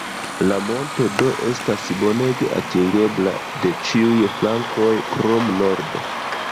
La monto do estas bonege atingebla de ĉiuj flankoj krom nordo.